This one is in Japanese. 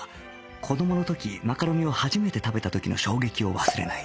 子どもの時マカロニを初めて食べた時の衝撃を忘れない